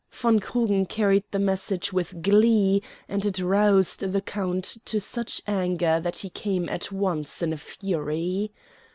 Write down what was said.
Von Krugen carried the message with glee, and it roused the count to such anger that he came at once in a fury.